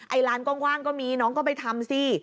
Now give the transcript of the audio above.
ร้านกว้างก็มีน้องก็ไปทำสิ